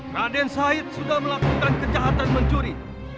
raden said sudah melakukan kejahatan mencuri